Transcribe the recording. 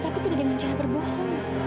tapi tidak dengan cara berbohong